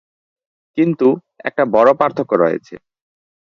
কিন্তু, একটা বড় পার্থক্য রয়েছে।